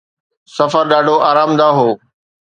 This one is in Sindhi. سفر ڏاڍو آرامده هو.